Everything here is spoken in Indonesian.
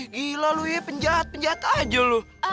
gila lu ya penjahat penjahat aja lu